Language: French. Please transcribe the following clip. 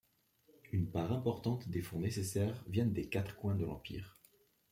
Une part importante des fonds nécessaires viennent des quatre coins de l’empire.